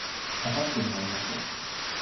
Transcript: あさってに会いましょう